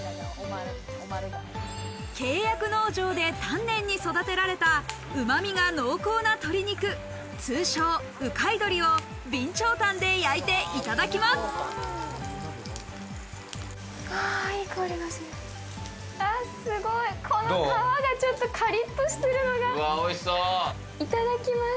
契約農場で丹念に育てられた、うま味が濃厚な鶏肉、通称・うかい鶏を備長炭で焼いていただきます。